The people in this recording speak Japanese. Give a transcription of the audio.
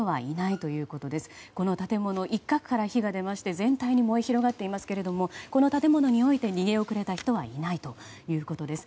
この建物、一角から火が出まして全体に燃え広がっていますがこの建物において逃げ遅れた人はいないということです。